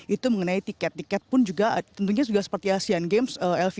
itu mengenai tiket tiket pun juga tentunya seperti asian games